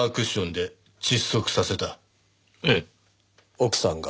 奥さんが？